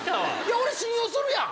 俺信用するやん！